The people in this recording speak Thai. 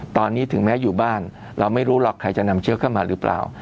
ตอนนี้ถึงแม้อยู่บ้านเราไม่รู้หรอกใครจะนำเชื้อเข้ามาหรือเปล่า